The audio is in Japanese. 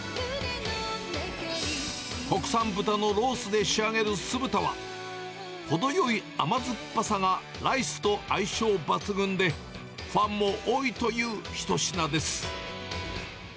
国産豚のロースで仕上げる酢豚は、程よい甘酸っぱさがライスと相性抜群で、ファンも多いという一品です。